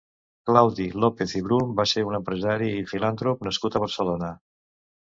Claudi López i Bru va ser un empresari i filàntrop nascut a Barcelona.